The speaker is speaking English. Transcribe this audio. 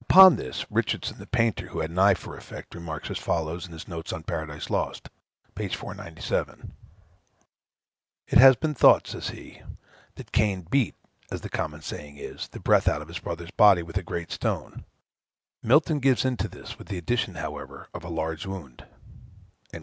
Upon this, Richardson, the painter, who had an eye for effect, remarks as follows, in his Notes on Paradise Lost, p. 497: "It has been thought," says he, "that Cain beat (as the common saying is) the breath out of his brother's body with a great stone; Milton gives in to this, with the addition, however, of a large wound."